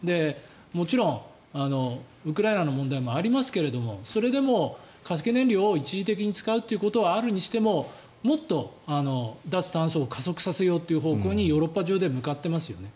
もちろんウクライナの問題もありますけどそれでも化石燃料を一時的に使うということはあるにしてももっと脱炭素を加速させようという方向にヨーロッパ中で向かってますよね。